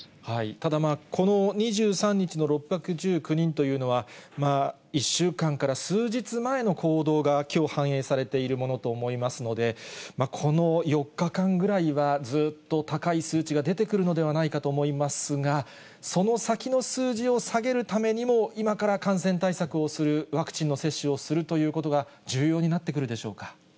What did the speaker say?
ただ、この２３日の６１９人というのは、１週間から数日前の行動がきょう、反映されているものと思いますので、この４日間ぐらいは、ずっと高い数値が出てくるのではないかと思いますが、その先の数字を下げるためにも、今から感染対策をする、ワクチンの接種をするということが重要になってくるでしょうか。